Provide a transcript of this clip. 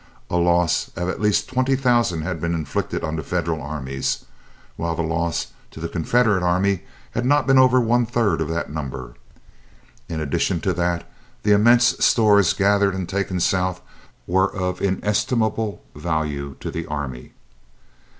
A loss of at least twenty thousand had been inflicted on the Federal armies, while the loss of the Confederate army had not been over one third of that number. In addition to that, the immense stores gathered and taken South were of inestimable value to the army.